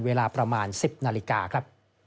เวลาประมาณ๑๐นาฬิกา